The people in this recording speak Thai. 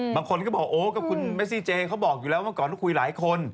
บางคนก็บอกโอ้กับคุณเมซี่เจเขาบอกอยู่แล้วเมื่อก่อนก็คุยหลายคน